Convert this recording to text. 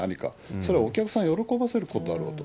それはお客さんを喜ばせることだろうと。